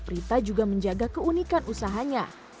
prita juga menjaga keunikan usahanya